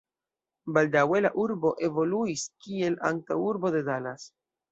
Baldaŭe la urbo evoluis, kiel antaŭurbo de Dallas.